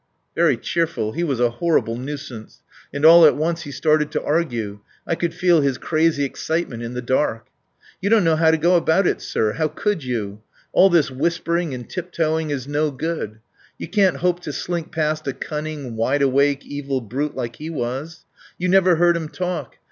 Very cheerful! He was a horrible nuisance. And all at once he started to argue. I could feel his crazy excitement in the dark. "You don't know how to go about it, sir. How could you? All this whispering and tiptoeing is no good. You can't hope to slink past a cunning, wide awake, evil brute like he was. You never heard him talk.